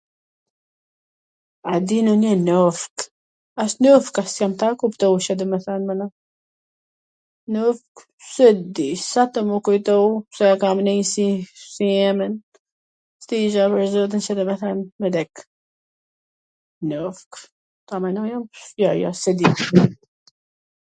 a di nonjw t njoft? as t njoft as jam ka t kuptojsha e domethan, mana, t njoft? s e di , sa tw mw kujto..., s e kam nejt si emwn, s di gja pwr zotin Ca domethan me dek... t njoft? ta menoj un... jo jo s e di